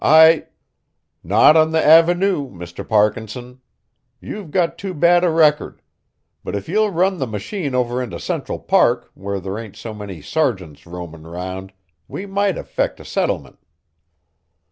I" "Not on the aven oo, Mr. Parkinson. You've got too bad a record. But if ye'll run the machine over into Central Park where there ain't so many sergeants roamin' round we might effict a sittlemint."